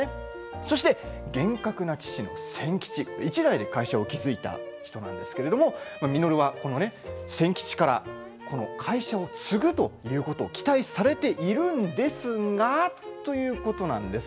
そして厳格な父・千吉一代で会社を築いた人なんですけれど稔はこの千吉から会社を継ぐということを期待されているんですがということなんです。